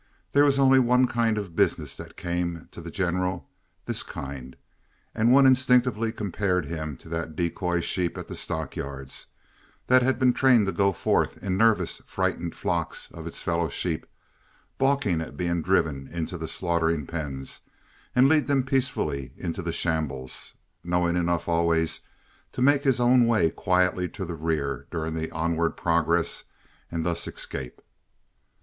There was only one kind of business that came to the General—this kind; and one instinctively compared him to that decoy sheep at the stock yards that had been trained to go forth into nervous, frightened flocks of its fellow sheep, balking at being driven into the slaughtering pens, and lead them peacefully into the shambles, knowing enough always to make his own way quietly to the rear during the onward progress and thus escape.